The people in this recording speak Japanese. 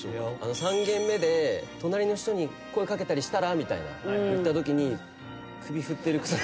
３軒目で「隣の人に声掛けたりしたら？」みたいなときに首振ってる草薙さん。